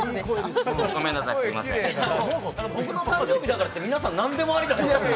僕の誕生日だからって、皆さん何でもありじゃないですよ。